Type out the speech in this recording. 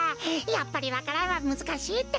やっぱりわか蘭はむずかしいってか。